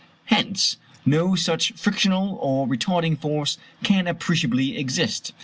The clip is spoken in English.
Hence no such frictional or retarding force can appreciably exist.